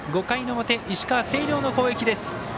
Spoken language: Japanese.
５回の表、石川の星稜の攻撃です。